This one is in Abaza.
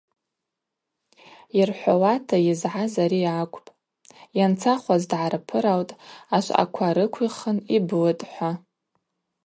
Йырхӏвауата йызгӏаз ари акӏвпӏ: йанцахуаз дгӏарпыралтӏ, ашвъаква рыквихын йблытӏ – хӏва.